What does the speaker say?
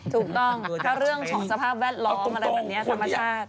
ถูกต้องเพราะเรื่องฉอดสภาพแวดล้องแบบนี้ธรรมชาติ